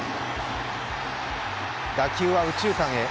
打球は右中間へ。